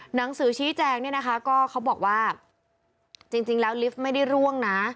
หนังสือชี้แจงก็บอกว่าจริงแล้วลิฟท์ไม่ได้ร่วงนะ